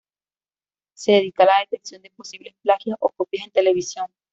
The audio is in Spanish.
Se dedica a la detección de posibles plagios o copias en la televisión.